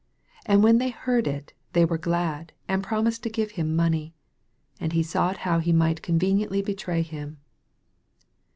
11 And when they heard it, they were glad, and promised to give him money. And he sought how he might conveniently betray nim.